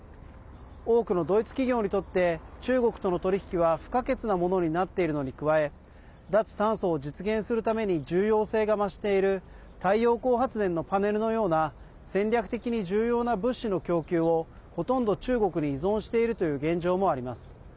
多くのドイツ企業にとって中国との取り引きは不可欠なものになっているのに加え脱炭素を実現するために重要性が増している太陽光発電のパネルのような戦略的に重要な物資の供給をほとんど中国に依存しているという現状もあります。